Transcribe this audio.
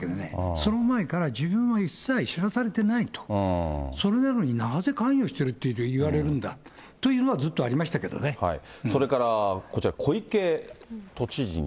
その前から自分は一切知らされてないと、それなのになぜ関与してるって言われるんだというのはずっとありそれから、こちら、小池都知